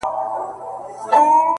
o تاسو په درد مه كوئ،